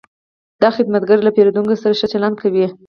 دا خدمتګر له پیرودونکو سره ښه چلند کوي.